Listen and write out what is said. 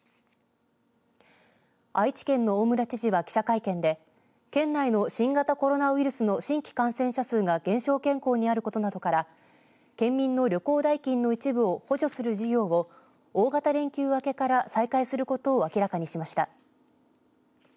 愛知県の大村知事は記者会見で県内の新型コロナウイルスの新規感染者数が減少傾向にあることなどから県民の旅行代金の一部を補助する事業を大型連休明けから再開することを明らかにしました。